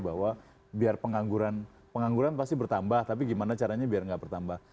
bahwa biar pengangguran pasti bertambah tapi gimana caranya biar nggak bertambah